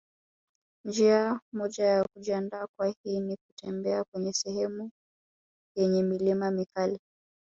Njia moja ya kujiandaa kwa hii nikutembea kwenye sehemu yenye milima mikali